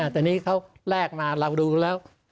แต่นี่เขาแลกมาเราดูแล้ว